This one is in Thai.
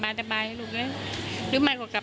ไม่ตั้งใจครับ